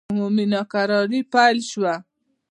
عمومي ناکراري پیل شوه.